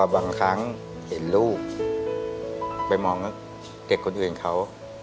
บางครั้งเห็นลูกไปมองเด็กคนอื่นเขา